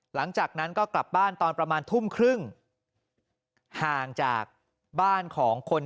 หลังจากนั้นก็กลับบ้านตอนประมาณทุ่มครึ่งห่างจากบ้านของคน